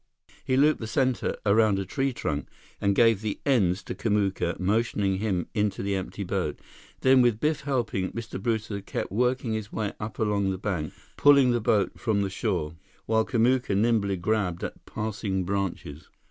He looped the center around a tree trunk and gave the ends to Kamuka, motioning him into the empty boat. Then, with Biff helping, Mr. Brewster kept working his way up along the bank, pulling the boat from the shore, while Kamuka nimbly grabbed at passing branches.